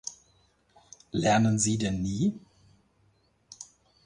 Lernen sie denn nie?